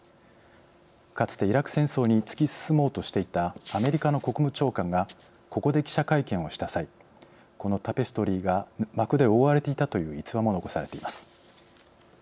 かつてイラク戦争に突き進もうとしていたアメリカの国務長官がここで記者会見をした際このタペストリーが幕で覆われていたという逸話も残されています。